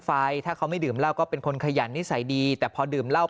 ไฟถ้าเขาไม่ดื่มเหล้าก็เป็นคนขยันนิสัยดีแต่พอดื่มเหล้า